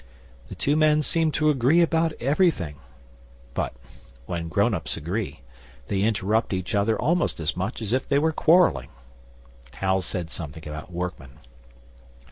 The two men seemed to agree about everything, but when grown ups agree they interrupt each other almost as much as if they were quarrelling. Hal said something about workmen.